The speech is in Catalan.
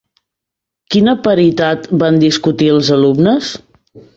Quina paritat van discutir els alumnes?